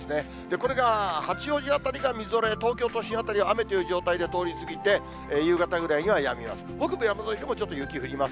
これが八王子辺りがみぞれ、東京都心辺りは雨という状態で通り過ぎて、夕方ぐらいにはやみます。